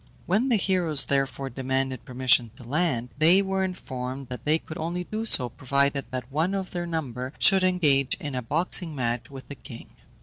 When the heroes, therefore, demanded permission to land, they were informed that they could only do so provided that one of their number should engage in a boxing match with the king.